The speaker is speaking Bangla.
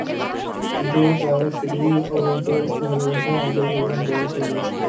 কিন্তু তারা সেটি অব্যবহৃত অবস্থায় ফেলে রেখে আমাদের ভবন দখল করে নিয়েছে।